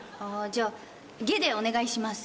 じゃあ下でお願いします。